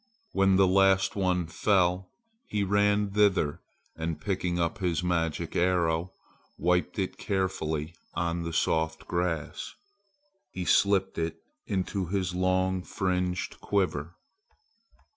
When the last one fell, he ran thither and picking up his magic arrow wiped it carefully on the soft grass. He slipped it into his long fringed quiver.